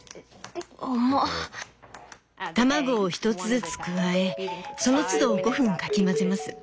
「卵を１つずつ加えそのつど５分かき混ぜます」だって。